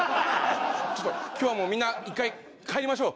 ちょっと今日はもうみんな一回帰りましょう。